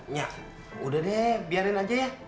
nya udah deh biarin aja ya